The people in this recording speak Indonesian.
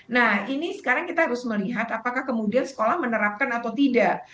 nah ini sekarang kita harus melihat apakah kemudian sekolah menerapkan atau tidak